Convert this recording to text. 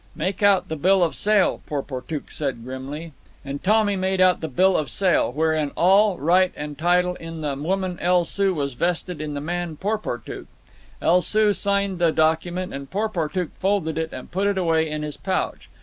"Make out the bill of sale," Porportuk said grimly. And Tommy made out the till of sale, wherein all right and title in the woman El Soo was vested in the man Porportuk. El Soo signed the document, and Porportuk folded it and put it away in his pouch.